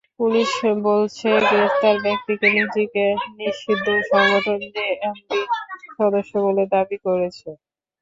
Police বলছে, গ্রেপ্তার ব্যক্তি নিজেকে নিষিদ্ধ সংগঠন জেএমবির সদস্য বলে দাবি করেছে।